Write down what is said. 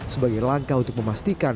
sebagai langkah untuk memastikan